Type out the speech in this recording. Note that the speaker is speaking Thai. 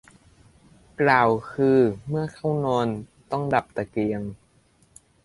กล่าวคือเมื่อเข้านอนต้อง ดับตะเกียง